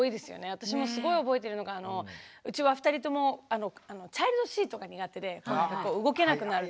私もすごい覚えてるのがうちは２人ともチャイルドシートが苦手で動けなくなる。